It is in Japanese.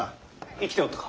生きておったか？